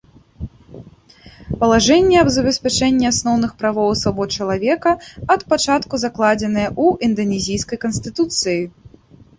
Палажэнні аб забеспячэнні асноўных правоў і свабод чалавека ад пачатку закладзеныя ў інданезійскай канстытуцыі.